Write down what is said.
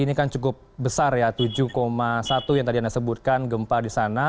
ini kan cukup besar ya tujuh satu yang tadi anda sebutkan gempa di sana